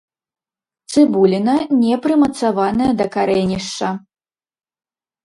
Цыбуліна не прымацаваная да карэнішча.